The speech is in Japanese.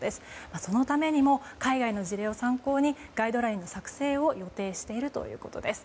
そのためにも海外の事例を参考にガイドラインの作成を予定しているということです。